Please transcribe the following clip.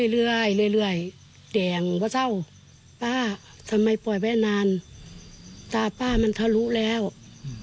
เรื่อยแด่งว่าเจ้าป้าทำไมป่อยแบบนั้นตาป้ามันทะลุแล้วอืม